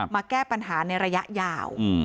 มาแก้ปัญหาในระยะยาว